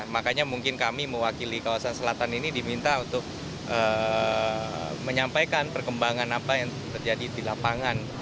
makanya mungkin kami mewakili kawasan selatan ini diminta untuk menyampaikan perkembangan apa yang terjadi di lapangan